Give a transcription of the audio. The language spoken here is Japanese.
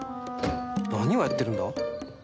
何をやってるんだ？